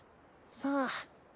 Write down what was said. さあ？